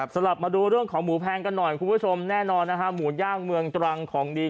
สำหรับมาดูเรื่องของหมูแพงกันหน่อยคุณผู้ชมแน่นอนนะฮะหมูย่างเมืองตรังของดี